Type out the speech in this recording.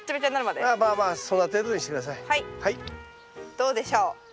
どうでしょう？